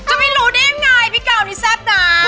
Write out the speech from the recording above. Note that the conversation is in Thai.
จะไม่รู้นี่ไงพี่กาลนี้แซ่บนะ